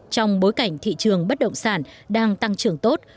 trong bối cảnh thị trường bất động sản đang tăng trưởng tốt